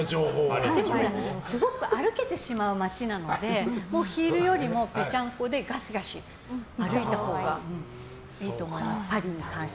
でも、すごく歩けてしまう街なのでヒールよりもぺちゃんこでガシガシ歩いたほうがいいと思います。